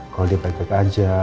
kalau dia baik baik aja